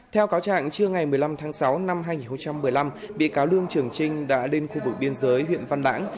theo cáo trạng trưa ngày một mươi năm tháng sáu năm hai nghìn một mươi năm bị cáo lương trường trinh đã lên khu vực biên giới huyện văn lãng